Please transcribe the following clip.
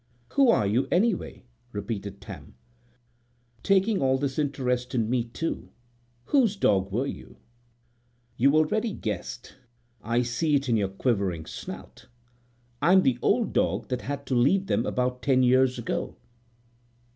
"Who are you, anyway?" repeated Tam. "Talking all this interest in me, too. Whose dog were you?" "You've already guessed. I see it in your quivering snout. I'm the old dog that had to leave them about ten years ago."